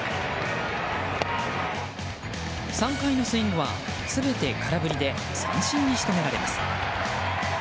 ３回のスイングは全て空振りで三振に仕留められます。